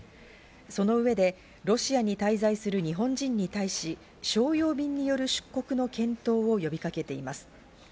その上でロシアに滞在する日本人に対し商用便による出国の検討を呼びかけています。